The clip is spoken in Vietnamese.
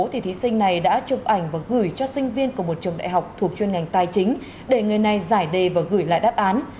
thí sinh này đã chụp ảnh và gửi cho sinh viên của một trường đại học thuộc chuyên ngành tài chính để người này giải đề và gửi lại đáp án